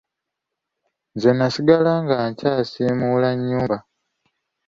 Zeena n'asigala ng'akyasiimula nnyumba.